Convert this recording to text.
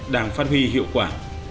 đảng phát huy hiệu quả